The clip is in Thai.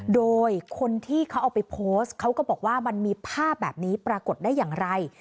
โดยคนที่เขาเอาไปโพสต์เขาก็บอกว่ามันมีภาพแบบนี้ปรากฏได้อย่างไร